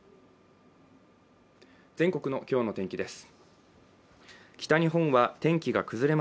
全国の今日のお天気です。